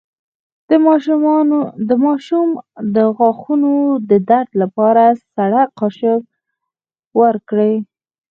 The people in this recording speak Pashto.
د ماشوم د غاښونو د درد لپاره سړه قاشق ورکړئ